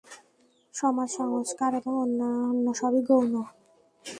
সমাজ-সংস্কার এবং অন্য সবই গৌণ।